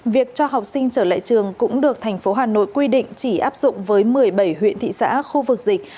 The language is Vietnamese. việc cho học sinh trở lại trường cũng được tp hcm quy định chỉ áp dụng với một mươi bảy huyện thị xã khu vực dịch